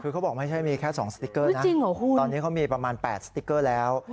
คือเขาบอกไม่ใช่มีแค่๒สติ๊กเกอร์นะตอนนี้เขามีประมาณ๘สติ๊กเกอร์แล้ว